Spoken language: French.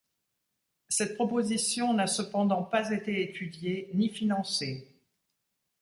Cette proposition n'a cependant pas été étudiée, ni financée.